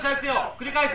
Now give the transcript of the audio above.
繰り返す。